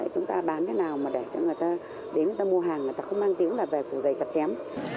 chúng ta bán thế nào mà để cho người ta để người ta mua hàng người ta không mang tiếng là về phủ giày chặt chém